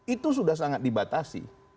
itu sudah sangat dibatasi